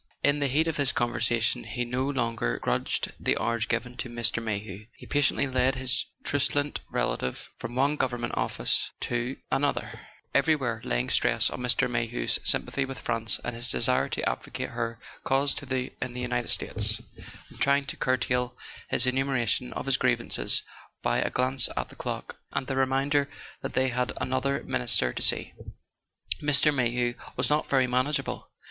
In the heat of his conversion he no longer grudged the hours given to Mr. May hew. He patiently led his truculent relative from one government office to an [ 173 ] A SON AT THE FRONT other, everywhere laying stress on Mr. Mayhew's sympathy with France and his desire to advocate her cause in the United States, and trying to curtail his enumeration of his grievances by a glance at the clock, and the reminder that they had another Minister to see. Mr. Mayhew was not very manageable.